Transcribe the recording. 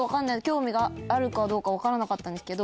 興味があるかどうか分からなかったんですけど